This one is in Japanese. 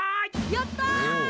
やった！